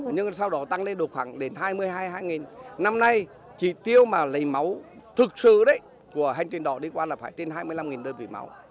nhưng sau đó tăng lên được khoảng đến hai mươi hai năm nay chỉ tiêu mà lấy máu thực sự đấy của hành trình đỏ đi qua là phải trên hai mươi năm đơn vị máu